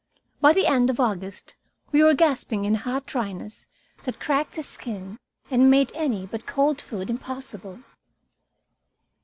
By the end of August we were gasping in a hot dryness that cracked the skin and made any but cold food impossible.